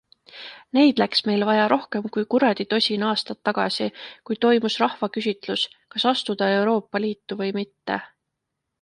Neid läks meil vaja rohkem kui kuraditosin aastat tagasi, kui toimus rahvaküsitlus, kas astuda Euroopa Liitu või mitte.